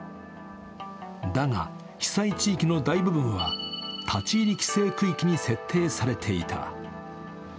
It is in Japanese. だが、被災地域の大部分は立ち入り規制区域に設定されていた。